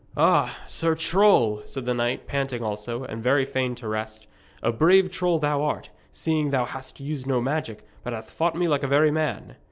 'Ah, sir troll!' said the knight, panting also, and very fain to rest. 'A brave troll thou art, seeing thou hast used no magic, but hath fought me like a very man.'